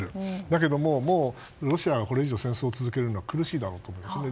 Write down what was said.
だけども、もうロシアはこれ以上戦争を続けるのは苦しいだろうと思うんですね。